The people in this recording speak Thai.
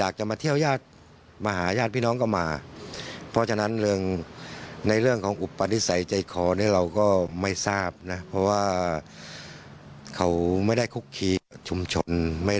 เขามาเป็นครั้งเป็นคราวแล้วก็เขาไม่ได้คุกขี่กับชุมชน